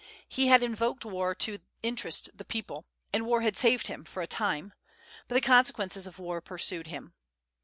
He had invoked war to interest the people, and war had saved him for a time; but the consequences of war pursued him.